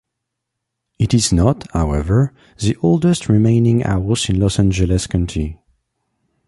It is not, however, the oldest remaining house in Los Angeles County.